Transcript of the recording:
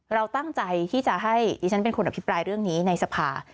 เราตั้งใจที่จะให้ดิฉันเป็นคนอภิปรายเรื่องนี้ในสภา